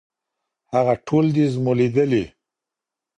هغه ټول دي زمولېدلي